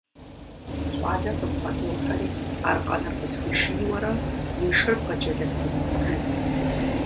Щӏалэр къызбгъэдохьэри, аркъэныр къысхуишийуэрэ, уи шыр бгъэджэлэфын, жи.